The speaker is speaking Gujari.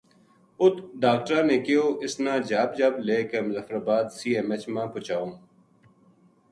اُت ڈاکٹراں نے کہیو اس نا جھب جھب لے کے مظفر آباد سی ایم ایچ ما پوہچاؤں